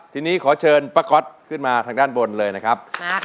ทีนี้ขอเชิญป้าก๊อตขึ้นมาทางด้านบนเลยนะครับ